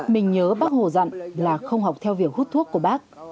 mình nhớ bác hồ dặn là không học theo việc hút thuốc của bác